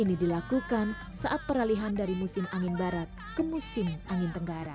ini dilakukan saat peralihan dari musim angin barat ke musim angin tenggara